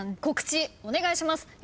告知お願いします。